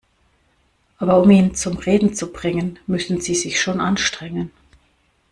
Aber um ihn zum Reden zu bringen, müssen Sie sich schon anstrengen.